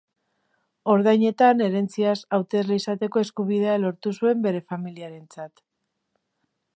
Ordainetan, herentziaz hautesle izateko eskubidea lortu zuen bere familiarentzat.